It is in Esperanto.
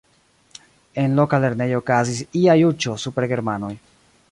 En loka lernejo okazis ia juĝo super germanoj.